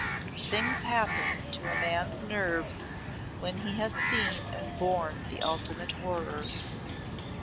Things happen to a man's nerves when he has seen and borne the ultimate horrors.